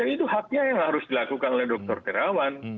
itu haknya yang harus dilakukan oleh dokter kerewan